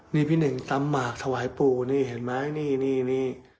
นี่พี่เน่งตำหมากถวายปู่นี่เห็นไหมนี่นี่